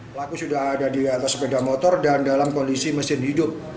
pelaku sudah ada di atas sepeda motor dan dalam kondisi mesin hidup